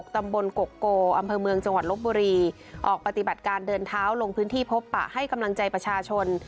ตำบลกกโกอำเภอเมืองจังหวัดลบบุรีออกปฏิบัติการเดินเท้าลงพื้นที่พบปะให้กำลังใจประชาชน